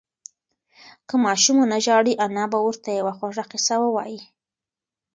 که ماشوم ونه ژاړي، انا به ورته یوه خوږه قصه ووایي.